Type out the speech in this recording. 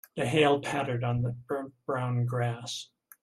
The hail pattered on the burnt brown grass.